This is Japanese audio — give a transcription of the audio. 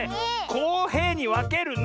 こうへいにわけるの！